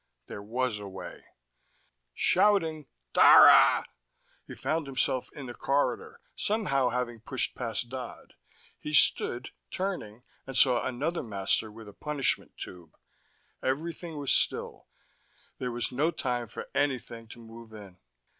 There was a way. Shouting: "Dara!" he found himself in the corridor, somehow having pushed past Dodd. He stood, turning, and saw another master with a punishment tube. Everything was still: there was no time for anything to move in.